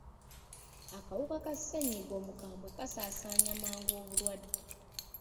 Akawuka ka ssennyiga omukwambwe kasaasaanya mangu obulwadde.